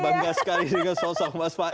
bangga sekali dengan sosok mas fahri